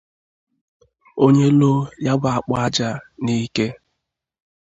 Onye loo ya bụ akpụ aja n'ike